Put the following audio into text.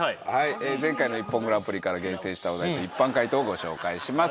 前回の『ＩＰＰＯＮグランプリ』から厳選したお題の一般回答をご紹介します。